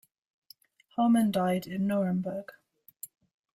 Homann died in Nuremberg.